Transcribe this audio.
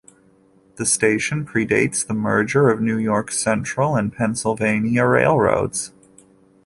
The station predates the merger of New York Central and Pennsylvania Railroads.